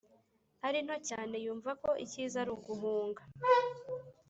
arinto cyane yumva ko icyiza aruguhunga